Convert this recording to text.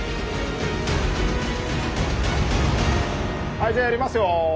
はいじゃあやりますよ！